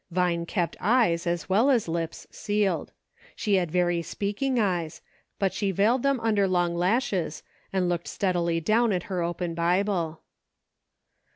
Vine kept eyes as well as lips sealed. She had very speaking eyes, but she veiled them under long lashes and looked steadily down at her open Bible.